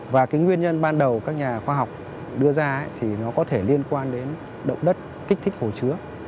và cái nguyên nhân ban đầu các nhà khoa học đưa ra thì nó có thể liên quan đến động đất kích thích hồ chứa